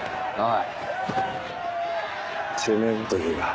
おい！